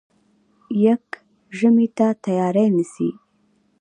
يږ ژمي ته تیاری نیسي.